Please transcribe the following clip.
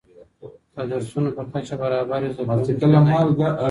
که درسونه په کچه برابر وي، زده کوونکي نه ناهیلي کيږي.